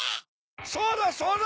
そうだそうだ！